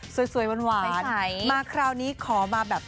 สวยหวานมาคราวนี้ขอมาแบบ